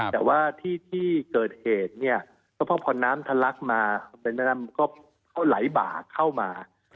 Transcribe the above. แต่ว่าที่ที่เกิดเหตุเนี่ยก็เพราะผ่อนน้ำทะลักษณ์มาก็ไหลบ่าเข้ามา